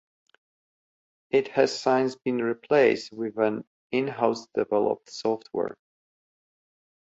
It has since been replaced with an in-house developed software.